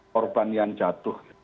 korban yang jatuh